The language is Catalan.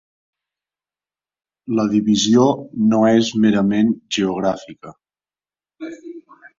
La divisió no és merament geogràfica.